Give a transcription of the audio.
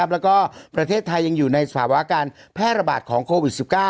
แล้วก็ประเทศไทยยังอยู่ในสภาวะการแพร่ระบาดของโควิด๑๙